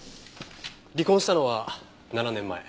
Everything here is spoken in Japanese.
離婚したのは７年前。